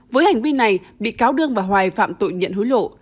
với hành vi này bị cáo đương và hoài phạm tội nhận hối lộ